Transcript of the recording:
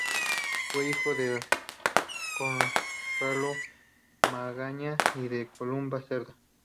Fue hijo de Conrado Magaña y de Columba Cerda.